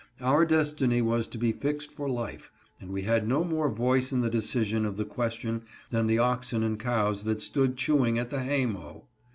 Our destiny was to be fixed for life, and we had no more voice in the decision of the question than the oxen and cows that stood chewing at the hay mow.